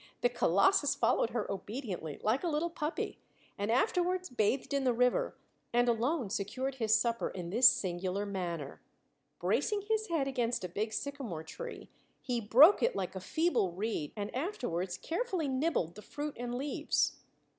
The colossus followed her obediently, like a little puppy, and afterwards bathed in the river, and alone secured his supper in this singular manner: bracing his head against a big sycamore tree, he broke it like a feeble reed and afterwards carefully nibbled the fruit and the leaves.